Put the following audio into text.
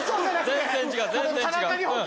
全然違う。